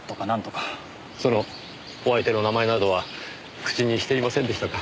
そのお相手の名前などは口にしていませんでしたか？